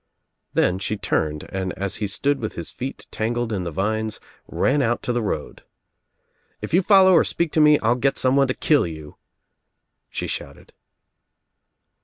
Then she turned and as he stood with his feet tangled in the vines ran^out to the road. "If you follow or speak to me I'll get someone to kill you," she shouted.